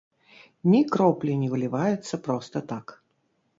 Ні кроплі не выліваецца проста так.